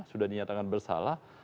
sudah dinyatakan bersalah